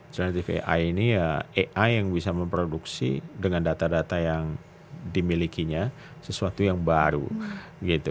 misalnya tvi ini ya ai yang bisa memproduksi dengan data data yang dimilikinya sesuatu yang baru gitu